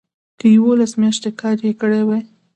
که یوولس میاشتې کار یې کړی وي.